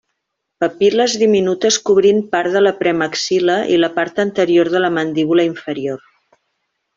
Papil·les diminutes cobrint part de la premaxil·la i la part anterior de la mandíbula inferior.